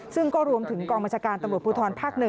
ซึ่งก็รวมถึงกองบัญชาการตำรวจภูทรภาค๑